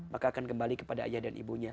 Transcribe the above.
maka akan kembali kepada ayah dan ibunya